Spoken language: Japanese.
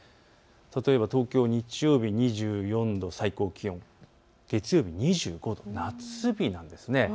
例えば東京、日曜日２４度、月曜日２５度、夏日なんです。